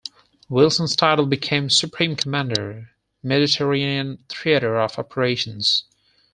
Wilson's title became Supreme Commander, Mediterranean Theatre of Operations.